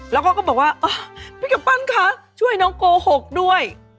แล้วก็บอกว่าพี่กฟะนช่วยน้องโกหกด้วย